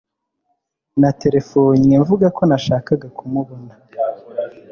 Naterefonnye mvuga ko nashakaga kumubona